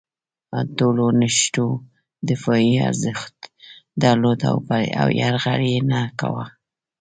ټولو نښتو دفاعي ارزښت درلود او یرغل یې نه کاوه.